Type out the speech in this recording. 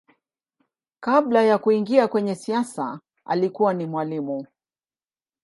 Kabla ya kuingia kwenye siasa alikuwa ni mwalimu.